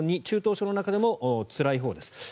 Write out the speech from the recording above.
２中等症の中でもつらいほうです。